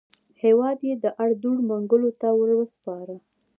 هېواد یې د اړدوړ منګولو ته وروسپاره.